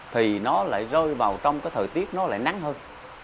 thì nó lại rơi vào trong cái thời tiết nó lại nắng hơn